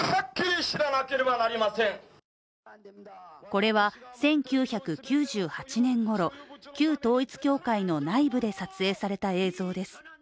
これは１９９８年ごろ、旧統一教会の内部で撮影された映像です。